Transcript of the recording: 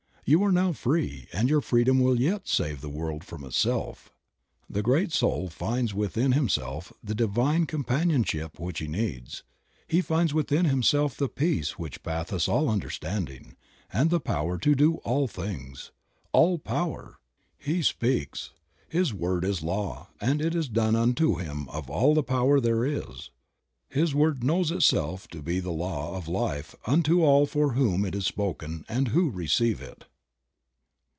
You are now free, and your freedom will yet save the world from itself. The great soul finds within himself the Divine companionship which he needs. He finds within himself the "Peace which passeth all understanding" and the power to do all things. All Power! He speaks, his word is Law and it is done unto him of all the power there is. His word knows itself to be the law of life unto all for whom it is spoken and who receive it.